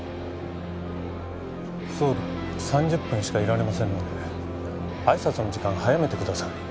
総理３０分しかいられませんので挨拶の時間早めてください。